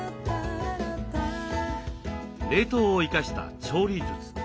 冷凍を生かした調理術。